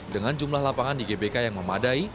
dengan jumlah lapangan di gbk yang memadai